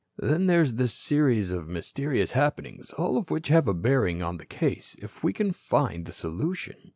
Then there is this series of mysterious happenings, all of which have a bearing on the case, if we can find the solution.